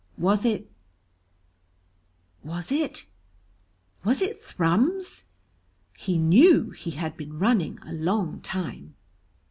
Was it was it was it Thrums? He knew he had been running a long time.